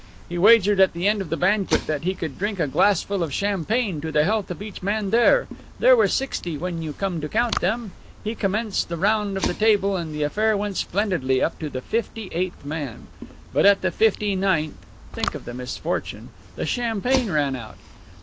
He wagered at the end of the banquet that he could drink a glassful of champagne to the health of each man there. There were sixty when you came to count them. He commenced the round of the table and the affair went splendidly up to the fifty eighth man. But at the fifty ninth think of the misfortune! the champagne ran out!